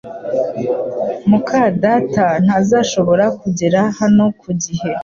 muka data ntazashobora kugera hano ku gihe